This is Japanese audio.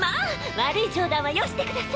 悪い冗談はよしてください。